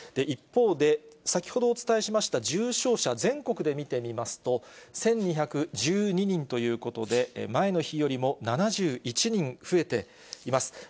一方で、先ほどお伝えしました重症者、全国で見てみますと、１２１２人ということで、前の日よりも７１人増えています。